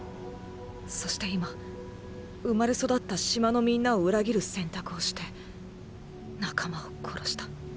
そして今生まれ育った島のみんなを裏切る選択をして仲間を殺した。